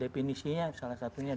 definisinya salah satunya